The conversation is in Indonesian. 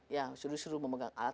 ya suruh suruh memegang alat